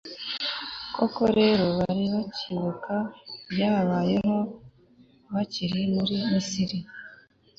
koko rero, bari bakibuka ibyababayeho bakiri mu misiri